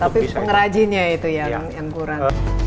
tapi pengrajinnya itu yang kurang